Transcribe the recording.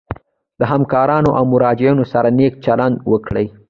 له همکارانو او مراجعینو سره نیک چلند وکړي.